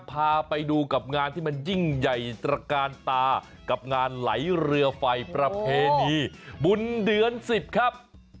พาไปดูกับงานที่มันยิ่งใหญ่ตระกาลตากับงานไหลเรือไฟประเพณีบุญเดือน๑๐ครับ